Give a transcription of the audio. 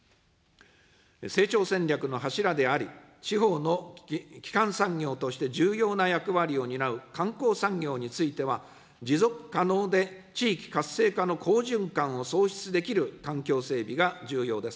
成長戦略の柱であり、地方の基幹産業として重要な役割を担う観光産業については、持続可能で地域活性化の好循環を創出できる環境整備が重要です。